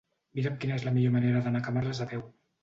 Mira'm quina és la millor manera d'anar a Camarles a peu.